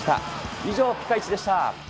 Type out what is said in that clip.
以上、ピカイチでした。